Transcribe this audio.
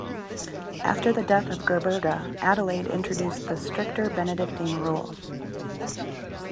After the death of Gerberga, Adelaide introduced the stricter Benedictine rule.